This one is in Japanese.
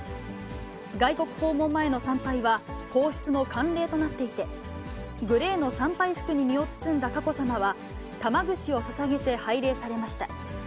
外国訪問前の参拝は皇室の慣例となっていて、グレーの参拝服に身を包んだ佳子さまは、玉串をささげて拝礼されました。